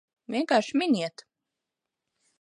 Vienkārši miniet!